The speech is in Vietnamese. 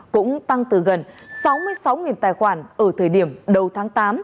cũng tăng từ gần sáu mươi sáu tài khoản ở thời điểm đầu tháng tám